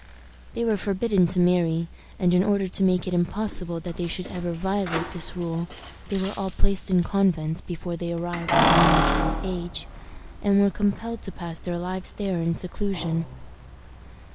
They were forbidden to marry, and, in order to make it impossible that they should ever violate this rule, they were all placed in convents before they arrived at a marriageable age, and were compelled to pass their lives there in seclusion.